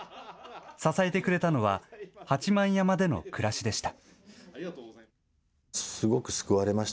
支えてくれたのは、八幡山での暮らしでした。